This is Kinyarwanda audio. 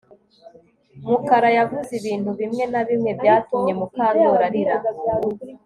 Mukara yavuze ibintu bimwe na bimwe byatumye Mukandoli arira